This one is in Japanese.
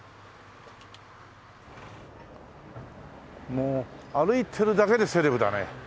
もう歩いてるだけでセレブだね。